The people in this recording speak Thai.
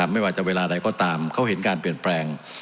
ไม่ว่าจะเวลาใดก็ตามเขาเห็นการเปลี่ยนแปลง